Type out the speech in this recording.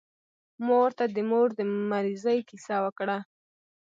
ما ورته د مور د مريضۍ کيسه وکړه.